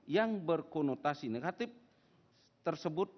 yang berkonotasi negatif tersebut